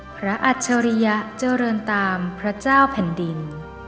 อัจฉริยะเจริญตามพระเจ้าแผ่นดิน